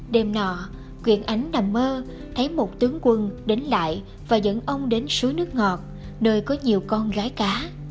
đêm nọ quyện ánh nằm mơ thấy một tướng quân đến lại và dẫn ông đến suối nước ngọt nơi có nhiều con gái cá